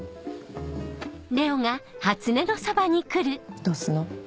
どうすんの？